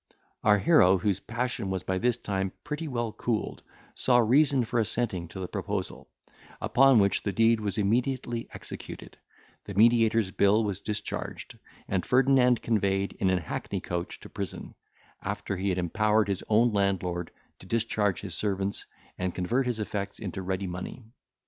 Our hero, whose passion was by this time pretty well cooled, saw reason for assenting to the proposal; upon which the deed was immediately executed, the mediator's bill was discharged, and Ferdinand conveyed in an hackney coach to prison, after he had empowered his own landlord to discharge his servants, and convert his effects into ready money.